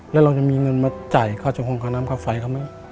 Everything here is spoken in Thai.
และเรายังมีเงินมาจ่ายข้าวจังหวงข้าน้ำข้าวไฟครับ